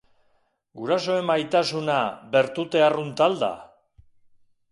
Gurasoen maitasuna bertute arrunta al da?